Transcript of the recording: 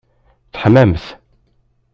Teḥmamt?